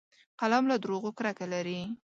قلم له دروغو کرکه لري